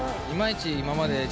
今まで